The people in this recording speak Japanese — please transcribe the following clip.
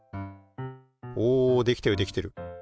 おできてるできてる。